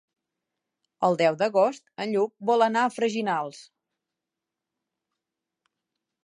El deu d'agost en Lluc vol anar a Freginals.